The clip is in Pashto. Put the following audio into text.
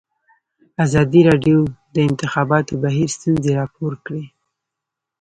ازادي راډیو د د انتخاباتو بهیر ستونزې راپور کړي.